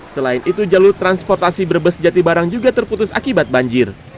selain itu jalur transportasi brebes jatibarang juga terputus akibat banjir